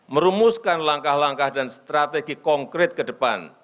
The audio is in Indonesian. merumuskan langkah langkah dan strategi konkret ke depan